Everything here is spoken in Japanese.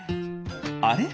あれ？